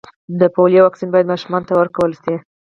د پولیو واکسین باید و ماشومانو ته ورکړل سي.